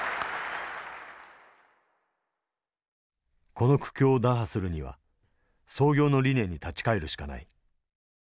この苦境を打破するには創業の理念に立ち返るしかない。